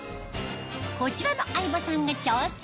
こちらの相葉さんが挑戦